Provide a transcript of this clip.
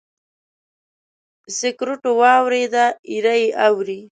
سکروټو واوریده، ایره یې اوري